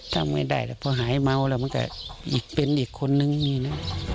จำไม่ได้แล้วพอหายเมาแล้วมันก็เป็นอีกคนนึงนี่นะ